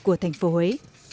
của thành phố huế